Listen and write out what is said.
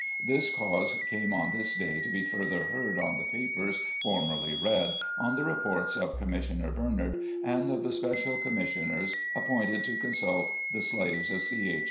This cause came on this day to be further heard on the papers formerly read, on the reports of Commissioner Bernard, and of the special Commis sioners appointed to consult the slaves of C. H.